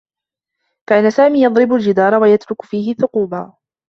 كان سامي يضرب الجدار و يترك فيه ثقوبا.